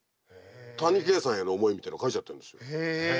谷啓さんへの思いみたいなの書いちゃってるんですよ。